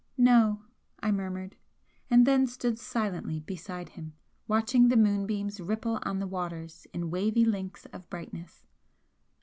"No!" I murmured and then stood silently beside him watching the moonbeams ripple on the waters in wavy links of brightness.